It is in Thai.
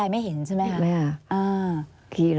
อันดับ๖๓๕จัดใช้วิจิตร